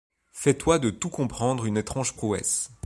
Fais-toi de tout comprendre une étrange prouesse ;